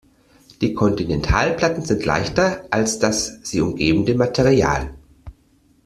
Die Kontinentalplatten sind leichter als das sie umgebende Material.